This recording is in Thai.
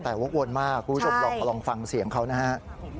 แต่ว่ากวนมากกูชอบลองฟังเสียงเขานะฮะ